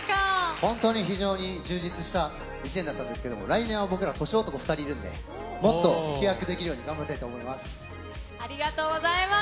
本当に非常に充実した１年だったんですけれども、来年は僕ら、年男２人いるんで、もっと飛躍できるように頑張りたいと思います。